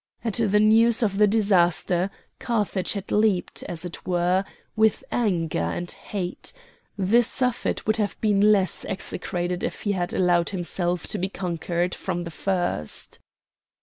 At the news of the disaster Carthage had leaped, as it were, with anger and hate; the Suffet would have been less execrated if he had allowed himself to be conquered from the first.